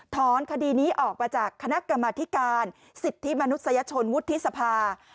คดีนี้ออกมาจากคณะกรรมธิการสิทธิมนุษยชนวุฒิสภา